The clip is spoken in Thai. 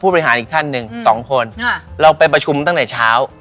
บริหารอีกท่านหนึ่งสองคนเราไปประชุมตั้งแต่เช้า